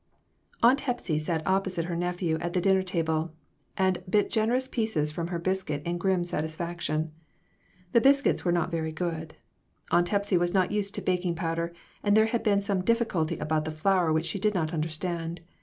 AUNT Hepsy sat opposite her nephew at the dinner table, and bit generous pieces from her biscuit in grim satisfaction. The biscuits were not very good ; Aunt Hepsy was not used to baking powder, and there had been some diffi culty about the flour which she did not under stand.